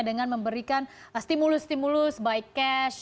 dengan memberikan stimulus stimulus baik cash